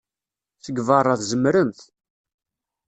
Seg beṛṛa, tzemremt.